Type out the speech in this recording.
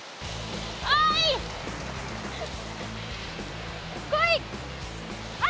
おい！